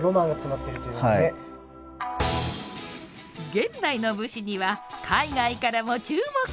現代の武士には海外からも注目が。